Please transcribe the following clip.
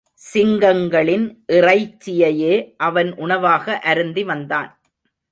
சிங்கங்களின் இறைச்சியையே அவன் உணவாக அருந்தி வந்தான்.